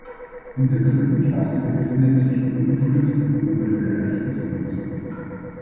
In der dritten Klasse befindet sich die Umschrift im oberen Bereich des Ringes.